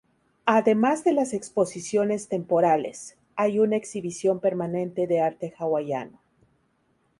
Además de las exposiciones temporales, hay una exhibición permanente de arte hawaiano.